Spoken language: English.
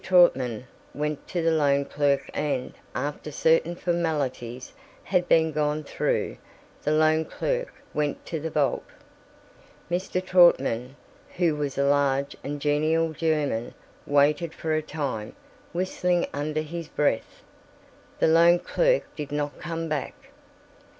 Trautman went to the loan clerk and, after certain formalities had been gone through, the loan clerk went to the vault. Mr. Trautman, who was a large and genial German, waited for a time, whistling under his breath. The loan clerk did not come back.